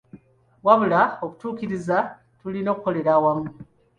Wabula okutuukiriza tulina kukolera wamu.